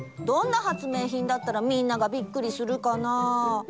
どんな発明品だったらみんながびっくりするかな。